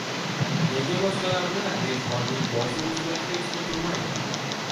Nega boshqalarda dehqonning boshi uzra hech kim turmaydi